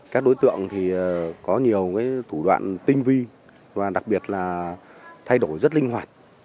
các đối tượng thì có nhiều thủ đoạn tinh vi và đặc biệt là thay đổi rất linh hoạt